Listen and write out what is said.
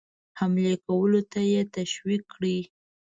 حملې کولو ته یې تشویق کړي.